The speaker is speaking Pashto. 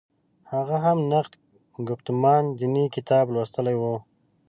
هغه هم «نقد ګفتمان دیني» کتاب لوستلی و.